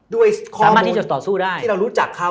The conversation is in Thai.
ด้วยข้อมูลที่เรารู้จักเขา